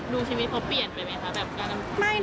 ดูชีวิตเขาเปลี่ยนไปไหมคะแบบการทำความ